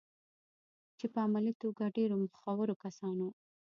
چې په علمي توګه ډېرو مخورو کسانو